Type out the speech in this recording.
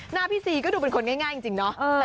หน้าพี่ซีก็ดูเป็นคนง่ายจริงเนาะ